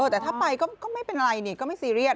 แต่ถ้าไปก็ไม่เป็นไรนี่ก็ไม่ซีเรียส